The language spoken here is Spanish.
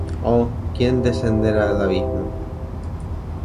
O, ¿quién descenderá al abismo?